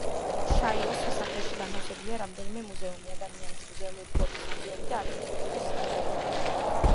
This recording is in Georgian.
შაიოს სასახლეში განთავსებულია რამდენიმე მუზეუმი: ადამიანის მუზეუმი, ფლოტის მუზეუმი და არქიტექტურის მუზეუმი.